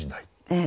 ええ。